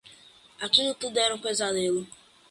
Aquilo tudo era um pesadelo